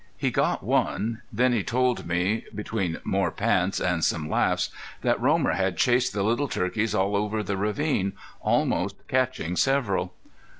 He got one. Then he told me, between more pants and some laughs, that Romer had chased the little turkeys all over the ravine, almost catching several.